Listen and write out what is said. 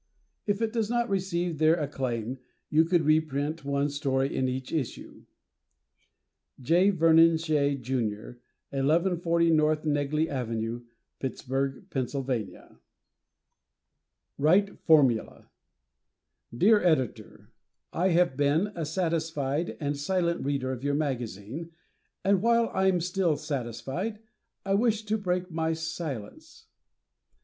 If it does receive their acclaim, you could reprint one story in each issue. J. Vernon Shea, Jr., 1140 N. Negley Avenue, Pittsburgh, Pa. "Right Formula" Dear Editor: I have been a satisfied and silent reader of your magazine, and while I'm still satisfied, I wish to break my silence.